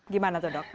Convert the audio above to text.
gimana tuh dok